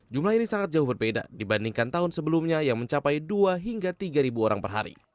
jumlah ini sangat jauh berbeda dibandingkan tahun sebelumnya yang mencapai dua hingga tiga orang per hari